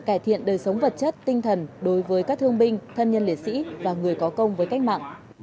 cải thiện đời sống vật chất tinh thần đối với các thương binh thân nhân liệt sĩ và người có công với cách mạng